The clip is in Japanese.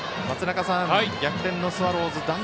松中さん、逆転のスワローズ。